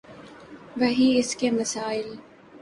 وہی اس کے مسائل۔